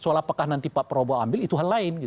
soal apakah nanti pak prabowo ambil itu hal lain